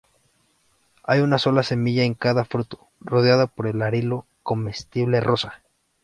Hay una sola semilla en cada fruto, rodeada por un arilo comestible rosa.